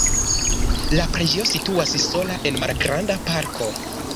La preĝejo situas sola en malgranda parko.